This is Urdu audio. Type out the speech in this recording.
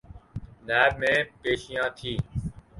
نیب میں پیشیاں تھیں۔